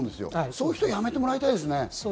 そういう人はやめてもらいたいですね。